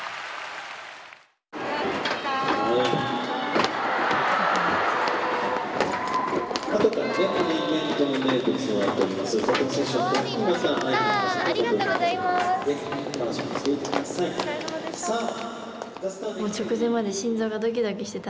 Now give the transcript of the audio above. お疲れさまでした。